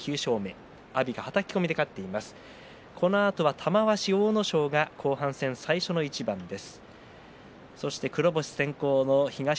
玉鷲、阿武咲が後半戦最初の一番です。